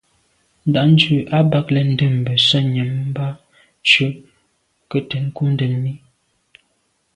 Ndǎ’ndʉ̂ a bαg len, ndɛ̂nmbə̀ sα̌m nyὰm mbὰ ncʉ̌’ kə cwɛ̌d nkondɛ̀n mi.